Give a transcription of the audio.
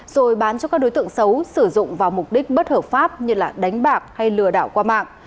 rồi bán cho các đối tượng xấu sử dụng vào mục đích bất hợp pháp như đánh bạc hay lừa đảo qua mạng